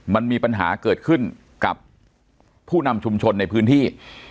มันมีปัญหาเกิดขึ้นกับผู้นำชุมชนในพื้นที่